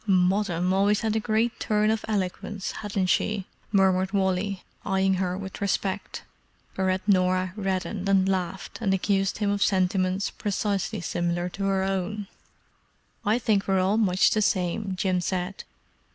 "Moddam always had a great turn of eloquence, hadn't she?" murmured Wally, eyeing her with respect. Whereat Norah reddened and laughed, and accused him of sentiments precisely similar to her own. "I think we're all much the same," Jim said.